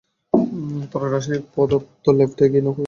তরল রাসায়নিক পদার্থ লেপটে গিয়ে নকলের মান খুব ভালো হতো না।